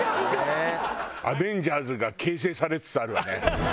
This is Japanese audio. アベンジャーズが形成されつつあるわね